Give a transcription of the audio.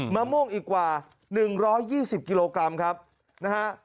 มะม่วงอีกกว่า๑๒๐กิโลกรัมครับนะฮะ